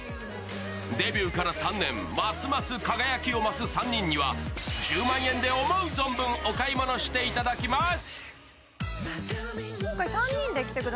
デビューから３年、ますます輝きを増す３人には１０万円で思う存分、お買い物していただきます。